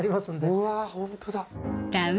うわホントだ。